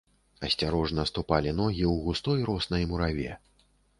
Асцярожна ступалі ногі ў густой роснай мураве.